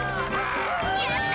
やった！